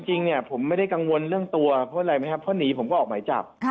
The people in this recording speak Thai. จริงเนี่ยผมไม่ได้กังวลเรื่องตัวเพราะอะไรไหมครับเพราะหนีผมก็ออกหมายจับ